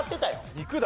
肉だ。